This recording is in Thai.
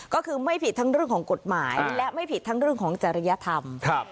ก็คือไม่ผิดทั้งเรื่องของกฎหมายและไม่ผิดทั้งเรื่องของจริยธรรม